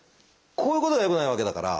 こういうことがよくないわけだから。